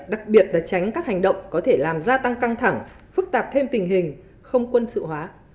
đặc biệt là tránh các hành động có thể làm gia tăng căng thẳng phức tạp thêm tình hình không quân sự hóa